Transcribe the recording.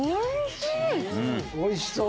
おいしそう！